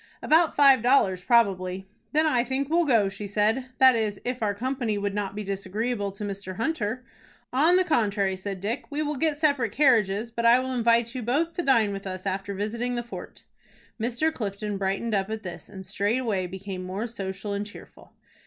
"About five dollars probably." "Then I think we'll go," she said, "that is, if our company would not be disagreeable to Mr. Hunter." "On the contrary," said Dick. "We will get separate carriages, but I will invite you both to dine with us after visiting the fort." Mr. Clifton brightened up at this, and straightway became more social and cheerful.